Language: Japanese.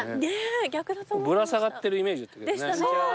ぶら下がってるイメージだったけどね。